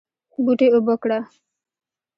بوټي اوبه کړه